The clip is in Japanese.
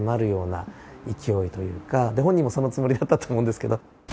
本人もそのつもりだったと思うんですけど。